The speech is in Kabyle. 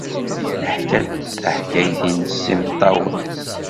Yeḥka-d taḥkayt-nnes s yimeṭṭawen.